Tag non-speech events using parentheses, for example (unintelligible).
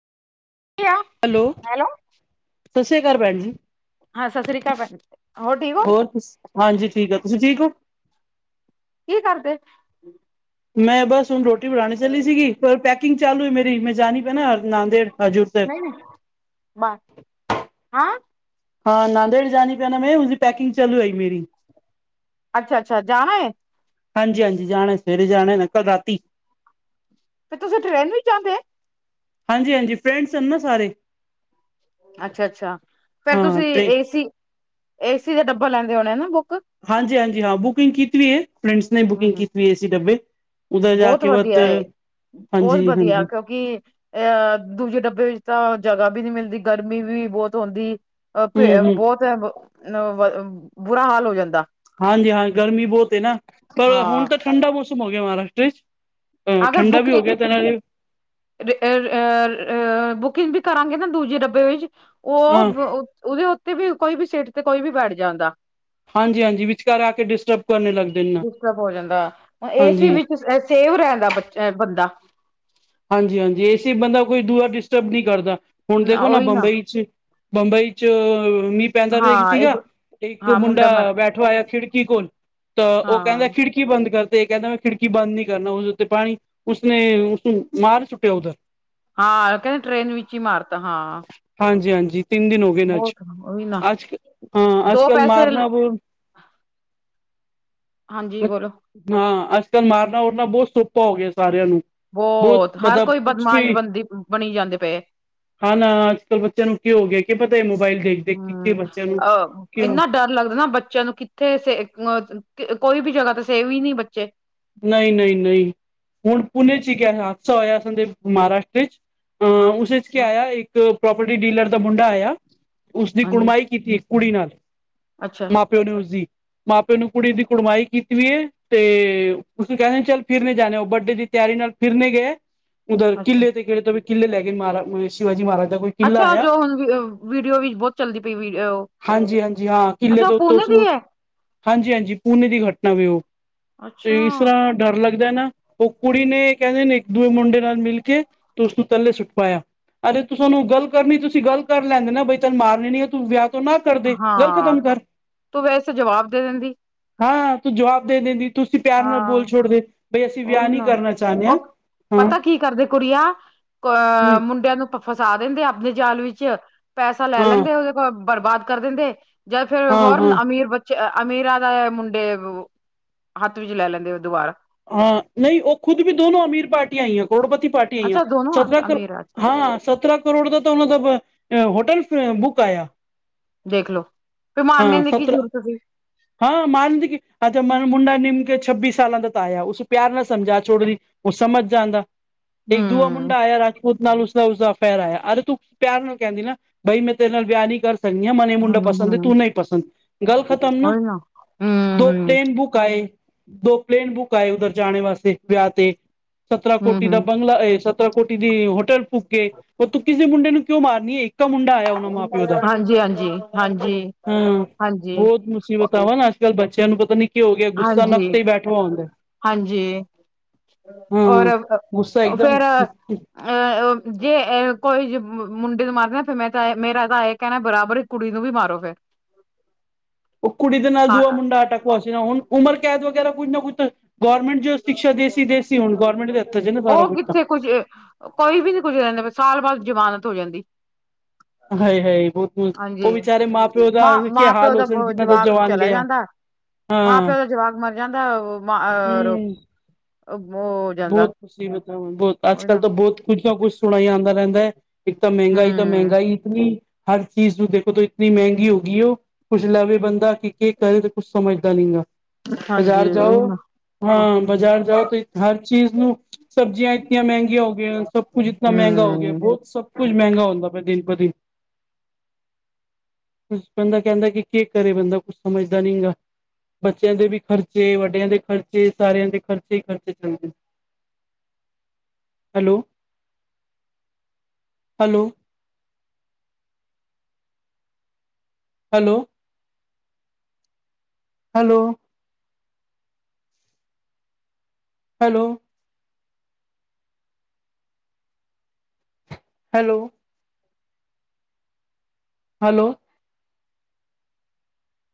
ਆ ਹੈਲੋ, ਸਸਰੇਆ ਕਾਲ ਭੈਣ ਜੀ ਹਾਂ, ਸਸਰੀ ਕਾਲ ਭੈ ਹੋਰ ਤੁਸੀ, ਹਾਂਜੀ ਠੀਕ ਏ ਤੁਸੀਂ ਠੀਕ ਓ? ਕੀ ਕਾਰਦੇ? ਮੈ ਬਸ ਹੁਨ ਰੋਟੀ ਬਣਾਨੇ ਚਲੀ ਸੀਗੀ, ਪਰ ਪੈਕਿੰਗ ਚਾਲੂ ਏ ਮੇਰੀ ਮੇ ਜਾਨੀ (unintelligible) ਨਾਦੇੜ ਹਜੂਰ ਸੈਬ। ਨਹੀਂ ਨਹੀਂ (inaudible) ਹਾਂ, ਨਾਦੇੜ ਜਾਣੀ ਪੈਣਾ ਮੈ ਉਸਦੀ ਪੈਕਿੰਗ ਚਲ ਰਹੀ ਮੇਰੀ ਅਛਾ-ਅਛਾ ਜਾਣਾ ਏ? ਹਾਂਜੀ-ਹਾਂਜੀ ਜਾਣੈ ਸਵੇਰੇ ਜਾਣੈ ਮੈਂ ਕਲ ਰਾਤੀ ਤੇ ਤੁਸੀਂ ਟ੍ਰੇਨ ਵਿੱਚ ਜਾਂਦੇ। ਹਾਂਜੀ-ਹਾਂਜੀ ਫਰੈਂਡਸ ਸਨ ਨਾ ਸਾਰੇ। ਅੱਛਾ-ਅੱਛਾ ਫੇਰ ਹਾਂ ਤੁਸੀ ਟ੍ਰੇਨ ਏਸੀ, ਏਸੀ ਦਾ ਡੱਬਾ ਲੈਂਦੇ ਹੋਣੇ ਨਾ ਬੁੱਕ ਹਾਂਜੀ-ਹਾਂਜੀ ਹਾਂ ਬੁਕਿੰਗ ਕੀਤੀ ਏ। ਫਰੈਂਡਸ ਨੇ ਬੁਕਿੰਗ ਕੀਤੀ ਏ ਸੀ ਡੱਬੇ ਉਧਰ ਜਾ ਬੋਤ ਕੇ ਬਤ ਵਧੀਆ ਏ, ਬਹੁਤ ਹਾਂਜੀ ਵਧੀਆ ਐ ਹਾਂਜੀ ਕਿਉਕਿ ਅ ਦੂਜੇ ਡੱਬੇ ਵਿਚ ਤਾਂ ਜਗ੍ਹਾ ਬੀ ਨੀ ਮਿਲਦੀ ਗਰਮੀ ਵੀ ਬੋਤ ਹੁੰਂਦੀ ਅ ਫ਼ੇ ਅ ਹਮ ਹਮ ਬੋਤ ਅ ਬੁਰਾ ਹਾਲ ਹੋ ਜਾਂਦਾ। ਹਾਂਜੀ ਹਾਂ, ਗਰਮੀ ਬੋਤ ਏ ਨਾ ਪਰ ਹਾਂ ਹੁਣ ਤਾਂ ਠੰਡਾ ਮੌਸਮ ਹੋ ਗਿਆ ਮਹਾਰਾਸ਼ਟਰਾ ਇੱਚ। ਅਗਰ ਬੁੱਕ ਨਈ ਅ ਬੁਕਿੰਗ ਵੀ ਕਰਾਂਗੇ ਨਾ ਦੂਜੇ ਡੱਬੇ ਵਿੱਚ ਔ ਹਾਂ ਬ ਔਦੇ ਉਤੇ ਵੀ ਕੋਈ ਵੀ ਸੀਟ ਤੇ ਕੋਈ ਵੀ ਬੈਠ ਜਾਂਦਾ ਹਾਂਜੀ-ਹਾਂਜੀ ਵਿਚਕਾਰ ਆ ਕੇ ਡਿਸਟਰਬ ਕਰਨੇ ਲੱਗ ਜਾਂਦੇ ਡਿਸਟਰਬ ਹੋ ਜਾਂਦਾ। ਹ ਏ ਸੀ ਹਾਂਜੀ ਵਿੱਚ ਅ ਸੇਵ ਰਹਿੰਦਾ ਬੱਚ ਅ ਬੰਦਾ। ਹਾਂਜੀ-ਹਾਂਜੀ ਏਸੀ ਬੰਦਾ ਕੋਈ ਦੂਆ ਡਿਸਟਰਬ ਨੀ ਕਰਦਾ। ਹੁਣ ਦੇਖੋ ਨਾ ਬੰਬਈ 'ਚ ਬੰਬਈ 'ਚ ਮੀਂ ਪੈਂਦਾ ਪਈ ਹਾਂ ਇੱਕ ਸੀਗਾ। ਇੱਕ ਹਾਂ ਮੁੰਡਾ ਮ ਬੈ ਠਾ ਹੋਇਆ ਖਿੜਕੀ ਕੋਲ ਤਾਂ ਔ ਕੈਂਦਾ ਹਾਂ ਖਿੜ ਕੀ ਬੰਦ ਕਰ ਦੇ। ਕੇਂਦਾ ਮੈਂ ਖਿੜਕੀ ਬਦ ਨੀ ਕਰਨਾ। ਔਦੇ ਉੱਤੇ ਪਾਣੀ ਉਸਨੇ ਉਸਨੂੰ ਮਾਰ ਸੁੱਟਿਆ ਉਧਰ। ਹਾਂ, ਕੈਂਦੇ ਟ੍ਰੇਨ ਵਿੱਚ ਈ ਮਾਰ ਤਾ, ਹਾਂ। ਹਾਂਜੀ-ਹਾਂਜੀ ਤਿੰਨ ਦਿਨ ਹੋ ਗਏ ਨੇ ਅੱਜ। ਬਹੁਤ ਉਹੀ ਨਾ ਅੱਜ, ਹਾਂ ਅੱਜ ਦੋ ਕੱਲ ਪੈਸੇ ਮਾਰਨਾ ਬੋ ਹਾਂਜੀ ਬੋਲੋ। ਹਾਂ, ਅੱਜ ਕੱਲ ਮਾਰਨਾ ਉਰਨਾ ਬੋਤ ਸੋਪਾ ਹੋ ਗਿਆ ਸਾਰਿਆਂ ਨੂੰ। ਬਹੁਤ ਬੋਤ ਹਰ ਮਤਲਬ ਕੋਈ ਕੁਛ ਬਦਮਾਸ਼ ਵੀ ਬੰਦੀ ਬਣੀ ਜਾਂਦੇ ਪਏ। ਹਾਂ ਨਾ, ਅੱਜ ਕੱਲ ਬੱਚਿਆਂ ਨੂੰ ਕਿ ਹੋ ਗਿਐ ਕਿ ਪਤਾ ਏ ਮੋਬਾਇਲ ਦੇਖ ਦੇਖ ਕੇ ਕੀ ਹੂੰ ਬੱਚਿਆਂ ਨੂੰ ਅ ਕਿਉਂ ਇੰਨਾ ਡਰ ਲੱਗਨਾ ਬੱਚਿਆਂ ਨੂੰ ਕਿੱਥੇ ਸੇ ਅ ਕ ਕੋਈ ਵੀ ਜਗ੍ਹਾ ਤੇ ਸੇਵ ਈ ਨੀ ਬੱਚੇ। ਨਈ-ਨਈ-ਨਈ, ਹੁਣ ਪੁਣੇ ਇੱਚ ਇੱਕ ਐ ਹਾਦਸਾ ਹੋਇਆ ਸੰਦੇ ਮਹਾਰਾਸ਼ਟਰਾ ਇੱਚ ਅ ਹਾਂ ਉਸ ਇੱਚ ਕੀ ਆਇਆ ਇੱਕ ਪ੍ਰੋਪਰਟੀ ਡੀਲਰ ਦਾ ਮੁੰਡਾ ਆਇਆ ਉਸਦੀ ਹਾਂਜੀ ਕੁੜਮਾਈ ਕੀਤੀ ਕੁੜੀ ਨਾਲ, ਅੱਛਾ ਮਾਂ ਪਿਓ ਨੇ ਉਸਦੀ, ਮਾਂ ਪਿਓ ਨੂੰ ਕੁੜੀ ਦੀ ਕੁੜਮਾਈ ਕੀਤੀ ਹੋਈ ਏ ਤੇ ਉਸਨੂੰ ਕੈਂਦੇ ਨੇ ਚੱਲ ਫਿਰਨੇ ਜਾਣੈ। ਔ ਬਰਡੇ ਦੀ ਤਿਆਰੀ ਨਾਲ ਫਿਰਨੇ ਗਏ ਉਧਰ ਅੱਛਾ ਕਿਲੇ ਤੇ ਫਿਰਤੇ ਹੂਏ ਕਿੱਲੇ ਲੈਗੇ ਮਾਰਾ ਅ ਸ਼ਿਵਾ ਜੀ ਮਾਰਗ ਐ ਕੋਈ ਕਿਲਾ ਅੱਛਾ ਆਇਆ ਜੋ ਹੁਣ ਵ ਵੀਡੀਓ ਵੀ ਬੋਤ ਚੱਲਦੀ ਪਈ ਵੀ ਔ। ਜੀ ਹਾਂ ਕਿਲੇ ਦੇ ਉਤੋਂ ਸੁ ਹਾਂਜੀ-ਹਾਂਜੀ ਪੂਨੇ ਦੀ ਘਟਨਾ ਵੇ ਔ। ਅੱਛਾ! ਹਾਂ ਡਰ ਲੱਗਦੈ ਨਾ। ਔ ਕੁੜੀ ਨੇ ਕੈਂਦੇ ਨੇ ਇੱਕ ਦੂਏ ਮੁੰਡੇ ਨਾਲ ਮਿਲ ਕੇ ਤੇ ਉਸਨੂੰ ਥੱਲੇ ਸੁੱਟ ਪਾਇਆ। ਅਜੇ ਤੁਸਾਨੂੰ ਗੱਲ ਕਰਨੀ ਤੁਸੀ ਗੱਲ ਕਰ ਲੈਂਦੇ ਨਾ ਬਈ ਤੁਆਨੂੰ ਮਾਰਨੇ ਨੀ ਐ ਤੂੰ ਵਿਆ ਤੋ ਨਾ ਕਰਦੇ, ਗਲ ਹਾਂ ਖਤਮ ਕਰ। ਤੂੰ ਵੈਸੇ ਜਵਾਬ ਦੇ ਦਿੰਦੀ ਹਾਂ, ਤੂੰ ਜਵਾਬ ਦੇ ਦੇਂਦੀ। ਤੁਸੀਂ ਪਿਆਰ ਨਾਲ ਬੋਲ ਛੋੜਦੇ। ਬਈ ਅਸੀਂ ਔਰ ਵਿਆਹ ਨਹੀਂ ਨਾ। ਕਰਨਾ ਚਾਹੁੰਦੇ ਔ ਹਾਂ ਹਾਂ ਪਤਾ ਕੀ ਕਰਦੇ ਕੁੜੀਆਂ ਕ ਹਮ ਮੁੰਡਿਆਂ ਨੂੰ ਫਸਾ ਦਿੰਦੇ ਆਪਣੇ ਜਾਲ ਵਿੱਚ। ਪੈਸਾ ਲੈ ਹਾਂ ਲੈਂਦੇ ਔਦੇ ਕੋਲ, ਬਰਬਾਦ ਕਰ ਦਿੰਦੇ ਜਾਂ ਫੇਰ ਹਾਂ ਹੋਰ ਨ ਹਾਂ ਅਮੀਰ ਬੱ ਚ ਅ ਅਮੀਰਾਂ ਦਾ ਮੁੰਡੇ ਵੋ ਹੱਥ ਵਿੱਚ ਲੈ ਲੈਂਦੇ ਵੋ ਦੋਬਾਰਾ। ਹਾਂ ਨਈ ਔ ਖੁਦ ਵੀ ਦੋਨੋ ਅਮੀਰ ਪਾਰਟੀਆਂ ਆਈਆਂ, ਕਰੋੜਪਤੀ ਪਾਰ ਟੀਆਂ। ਅੱਛਾ ਦੋਨੋ ਆ (unintelligible) ਅਮੀਰ ਅੱਛਾ ਹਾਂ ਸਤਰਾਂ ਕਰੋੜ ਦਾ ਤਾ ਔਨਾਂ ਦਾ ਬ ਅ ਹੋਟਲ ਅ ਬੁੱਕ ਆਇਆ। ਦੇਖ ਲੋ, ਵੀ ਮਾਰਨੇ ਦੀ ਕੀ ਜ਼ਰੂਰਤ ਸੀ? ਹਾਂ, ਮਾਰਨ ਦੀ ਕੀ, ਹਾਂ ਤੇ ਮ ਮੁੰਡਾ, ਨਿਮ ਕੇ ਛੱਬੀ ਸਾਲਾਂ ਦਾ ਆਇਆ, ਉਸ ਪਿਆਰ ਨਾਲ ਸਮਝਾ ਛੋੜਦੀ ਉਹ ਸਮਝ ਜਾਂਦਾ, ਇੱਕ ਦੂਆ ਹਮ ਮੁੰਡਾ ਆਇਆ ਰਾ ਉਸ ਨਾਲ, ਉਸਦਾ- ਉਸਦਾ ਅਫੇਅਰ ਹੈ, ਅਰੇ ਤੂੰ ਪਿਆਰ ਨਾਲ ਕਹਿੰਦੀ ਨਾ, ਬਈ ਮੈਂ ਤੇਰੇ ਨਾਲ ਵਿਆਹ ਨਹੀਂ ਕਰ ਸਕਦੀ ਹਾਂ, ਮੈਨੂੰ ਇਹ ਮੁੰਡਾ ਪਸੰਦ ਹੈ। ਹੂੰ-ਹੂੰ, ਤੂੰ ਨਹੀਂ ਪਸੰਦ, ਗੱਲ ਖਤਮ ਨਾ, ਉਹੀ ਦੋ ਹੂੰ-ਹੂੰ, ਪਲੇਨ ਬੁੱਕ ਬੁੱਕ ਆ ਏ, ਦੋ ਪਲੇਨ ਬੁੱਕ ਆ ਏ, ਉੱਧਰ ਜਾਣੇ ਵਾਸਤੇ ਵਿਆਹ ਤੇ ਸਤਰਾਂ, ਕੋਟੀ ਦਾ ਹੂੰ-ਹੂੰ, ਬੰਗਲਾ ਏ। ਕੋਟੀ ਦੀ, ਹੋਟਲ ਬੁੱਕ ਏ, ਉਹ ਤੂੰ ਕਿਸੇ ਮੁੰਡੇ ਨੂੰ ਕਿਉਂ ਮਾਰਨੀ ਹੈ? ਇੱਕਾ ਮੁੰਡਾ ਐ ਹਾਂਜੀ- ਹਾਂਜੀ, ਹਾਂਜੀ -ਹਾਂਜੀ। ਪਵਨ, ਅੱਜ- ਕੱਲ੍ਹ ਬੱਚਿਆਂ ਨੂੰ, ਪਤਾ ਨੀ ਕੀ ਹੋ ਗਿਆ, ਗੁੱਸਾ ਨੱਕ ਹਾਂਜੀ, ਹਾਂਜੀ ਤੇ ਹੀ ਬੈਠਾ ਹੁੰਦਾ। ਹਾਂਜੀ, ਔਰ ਹਾਂ ਗੁੱਸਾ ਇੱਕਦਮ ਫੇਰ ਅ ਜੇ ਕੋਈ ਮੁੰਡੇ ਨੂੰ, ਮਾਰਦੇ ਨਾ, ਫੇਰ ਮੈਂ ਤਾਂ, ਮੇਰਾ ਤਾਂ ਇਹ ਕਹਿਣਾ, ਬਰਾਬਰ ਕੁੜੀ ਨੂੰ ਵੀ, ਮਾਰੋ ਫੇਰ। ਉਹ ਕੁੜੀ ਦੇ ਨਾਲ, ਦੂਆ ਮੁੰਡਾ ਅਟਕਿਆ ਸੀ ਨਾ, ਹੁਣ ਉਮਰ ਕੈਦ ਵਗ਼ੈਰਾ ਕੁੱਝ ਨਾ ਕੁੱਝ ਤੇ ਗੌਰਮੈਂਟ ਜੋ ਸ਼ਿਕਸ਼ਾ, ਦੇਸੀ-ਦੇਸੀ ਹੋਣ ਗੌਰਮੈਂਟ ਦੇ ਹੱਥਾਂ ਚ ਨਾ, ਸਾਰ ਕੁਛ ਤਾਂ ਕੁਝ ਕੋਈ ਵੀ ਨੁ ਕੁੱਝ ਕਹਿੰਦਾ, ਸਾਲ ਬਾਅਦ ਜ਼ਮਾਨਤ ਹੋ ਜਾਂਦੀ। ਹਾਏ, ਹਾਏ ਬੁਹ ਹਾਂਜੀ, ਹਾ ਮਾਂ -ਪਿਓ ਹਾਲ ਹੋ ਦਾ ਸਨ ਜਿਨਾਂ ਦਾ ਜਵਾਕ ਜਵਾਨ ਚਲਾ ਗਿਆ ਜਾਂਦਾ। ਮਾਂ- ਹਾਂ ਪਿਓ ਦਾ ਜਵਾਕ, ਮਰ ਜਾਂਦਾ ਉਹ ਮਾਰੋ। ਹੂੰ (unintelligible) ਬਹੁਤ ਕੁੁਛ ਈ ਮਤਲਬ, ਬਹੁਤ ਅੱਜ ਉਹੀ -ਕੱਲ੍ਹ ਨਾ ਤਾਂ ਬਹੁਤ ਕੁੱਛ ਨਾ ਕੁੱਛ ਸੁਣਾਈ ਆਉਂਦਾ ਰਹਿੰਦਾ ਹੈ। ਇਤਨਾ ਮਹਿੰਗਾ ਤਾਂ ਹੂੰ ਮਹਿੰਗਾਈ ਇਤਨੀ, ਹਰ ਚੀਜ਼ ਨੂੰ ਦੇਖੋ ਤਾਂ, ਇਤਨੀ ਮਹਿੰਗੀ ਹੋ ਗਈ ਉਹ। ਕੁਛ ਲਵੇ ਬੰਦਾ ਕਿ, ਕੀ ਕਰੇ ਤੇ ਕੁਛ ਸਮਝਦਾ ਨਹੀਂ ਆ। ਬਜ਼ਾਰ ਹਾਂਜੀ ਜਾਉ, ਉਹੀ ਨਾ ਹਾਂ ਬਜ਼ਾਰ ਜਾਉ ਤੁਸੀ ਹਰ ਚੀਜ਼ ਨੂੰ, ਸਬਜ਼ੀਆਂ ਇਤਨੀਆਂ ਮਹਿੰਗੀਆਂ ਹੋ ਗਈਆਂ, ਸਭ ਕੁੱਝ ਇਤਨਾ ਮਹਿੰਗਾ ਹੋ ਗਿਆ। ਹੂੰ ਬਹੁਤ ਸਭ ਕੁਛ, ਮਹਿੰਗਾ ਹੁੰਦਾ ਪਿਆ, ਦਿਨ ਪਰ ਦਿਨ। ਬੰਦਾ, ਕਹਿੰਦਾ ਕਿ, ਕੀ ਕਰੇ ਬੰਦਾ, ਕੁਛ ਸਮਝਦਾ ਨੀ ਗਾ। ਬੱਚਿਆਂ ਦੇ ਵੀ ਖਰਚੇ, ਵੱਡਿਆਂ ਦੇ ਖਰਚੇ, ਸਾਰਿਆਂ ਦੇ ਖਰਚੇ- ਖਰਚੇ। Hello. Hello. Hello hello. Hello. Hello. Hello.